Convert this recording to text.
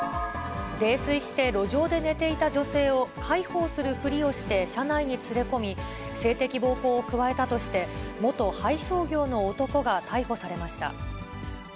泥酔して路上で寝ていた女性を介抱するふりをして車内に連れ込み、性的暴行を加えたとして、元配送業の男が逮捕されました。